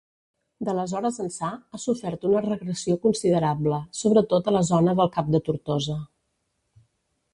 D'aleshores ençà, ha sofert una regressió considerable, sobretot a la zona del cap de Tortosa.